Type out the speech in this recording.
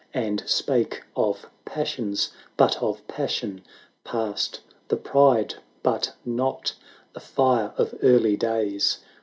And spake of passions, but of passion past : The pride, but not the fire, of early days.